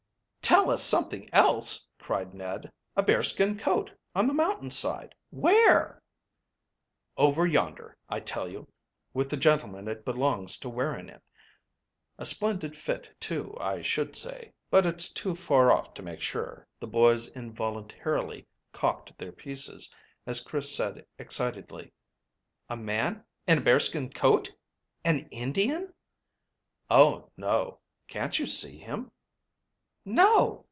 "Tell us something else," cried Ned. "A bearskin coat on the mountain side! Where?" "Over yonder, I tell you, with the gentleman it belongs to wearing it. A splendid fit too, I should say, but it's too far off to make sure." The boys involuntarily cocked their pieces, as Chris said excitedly "A man in a bearskin coat an Indian?" "Oh no. Can't you see him?" "No!